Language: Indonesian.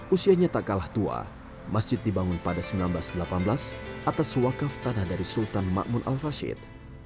usianya tak kalah tua masjid dibangun pada seribu sembilan ratus delapan belas atas wakaf tanah dari sultan ⁇ mamun al fashid